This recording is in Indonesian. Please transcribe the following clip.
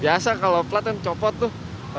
biasa kalau plat dan copot tuh